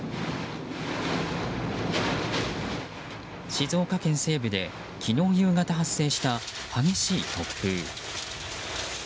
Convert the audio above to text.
静岡県西部で昨日夕方発生した激しい突風。